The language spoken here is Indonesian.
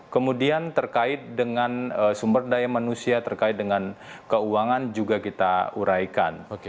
kemudian terkait dengan sumber daya manusia terkait dengan keuangan juga kita uraikan